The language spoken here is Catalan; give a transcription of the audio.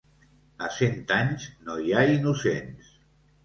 A cent anys no hi ha innocents.